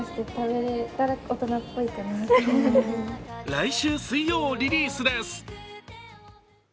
来週水曜リリースです。